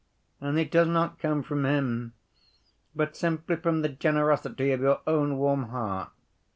And it does not come from him but simply from the generosity of your own warm heart.